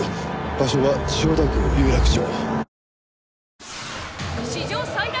場所は千代田区有楽町。